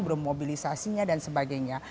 bermobilisasinya dan sebagainya